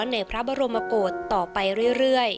ในพระบรมกฏต่อไปเรื่อย